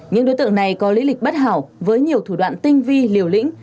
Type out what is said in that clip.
những đối tượng này có lý lịch bất hảo với nhiều thủ đoạn tinh vi liều lĩnh